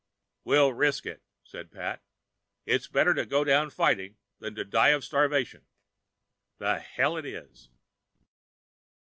"We'll risk it," said Pat. "It's better to go down fighting than to die of starvation." The hell it is.